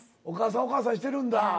お母さんお母さんしてるんだ。